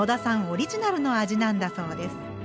オリジナルの味なんだそうです。